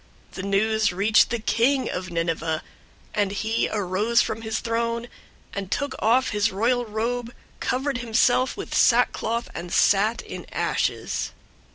003:006 The news reached the king of Nineveh, and he arose from his throne, and took off his royal robe, covered himself with sackcloth, and sat in ashes.